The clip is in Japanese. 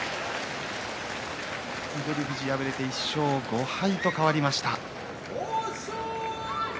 翠富士敗れて１勝５敗と変わりました。